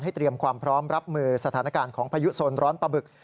เตรียมความพร้อมรับมือสถานการณ์ของพายุโซนร้อนปลาบึก